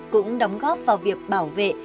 cũng đóng góp vào việc bảo vệ